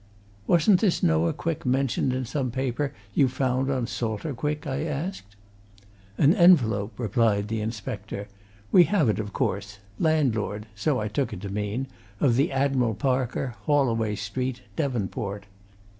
"Wasn't this Noah Quick mentioned in some paper you found on Salter Quick?" I asked. "An envelope," replied the inspector. "We have it, of course. Landlord so I took it to mean of the Admiral Parker, Haulaway Street, Devonport.